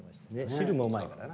汁もうまいからな。